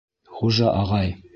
Хужа ағай: